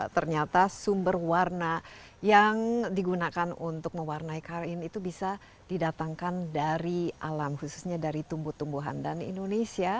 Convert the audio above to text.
ternyata sumber warna yang digunakan untuk mewarnai karine itu bisa didatangkan dari alam khususnya dari tumbuh tumbuhan dan indonesia